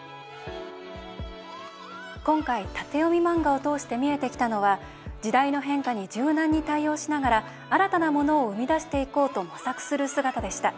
今回、縦読み漫画を通して見えてきたのは時代の変化に柔軟に対応しながら新たなものを生み出していこうと模索する姿でした。